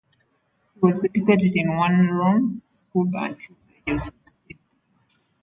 He was educated in a one-room school until the age sixteen.